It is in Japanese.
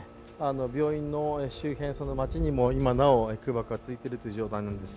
病院の周辺、その町にも今なお、空爆が続いているという状態なんです。